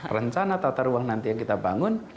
rencana tata ruang nanti yang kita bangun